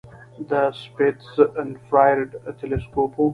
د سپیتزر انفراریډ تلسکوپ و.